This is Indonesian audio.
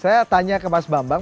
saya tanya ke mas bambang